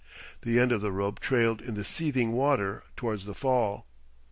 The end of the rope trailed in the seething water towards the fall.